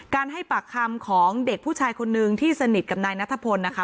ให้ปากคำของเด็กผู้ชายคนนึงที่สนิทกับนายนัทพลนะคะ